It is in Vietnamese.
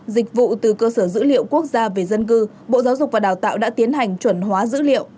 dịch vụ từ cơ sở dữ liệu quốc gia về dân cư bộ giáo dục và đào tạo đã tiến hành chuẩn hóa dữ liệu